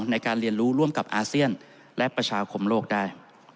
ในการเรียนรู้ร่วมกับอาเซียนและประชาคมโลกได้